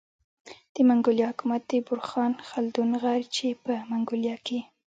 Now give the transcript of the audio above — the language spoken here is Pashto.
د منګولیا حکومت د بورخان خلدون غر چي په منګولیا کي